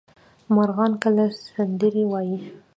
مرغان کله سندرې وايي؟